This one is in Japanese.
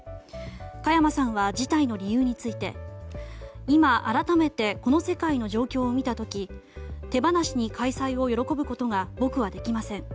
加山さんは辞退の理由について今、改めてこの世界の状況を見た時、手放しに開催を喜ぶことが僕はできません。